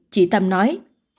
chị tâm nói